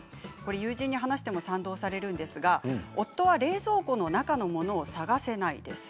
友人に話しても賛同されるんですが夫は冷蔵庫の中のものを探せないです。